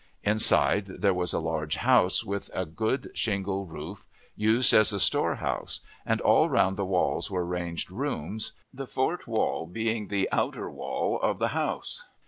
Inside there was a large house, with a good shingle roof, used as a storehouse, and all round the walls were ranged rooms, the fort wall being the outer wall of the house.